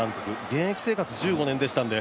現役生活１５年でしたので。